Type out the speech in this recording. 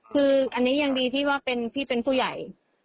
คืออันนี้ยังดีที่ว่าพี่เป็นผู้ใหญ่